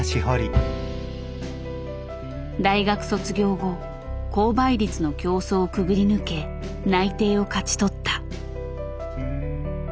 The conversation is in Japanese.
大学卒業後高倍率の競争をくぐり抜け内定を勝ち取った。